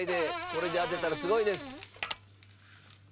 これで当てたらすごいです。